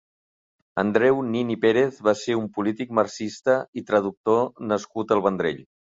Andreu Nin i Pérez va ser un polític marxista i traductor nascut al Vendrell.